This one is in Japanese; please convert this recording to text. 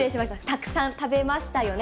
たくさん食べましたよね。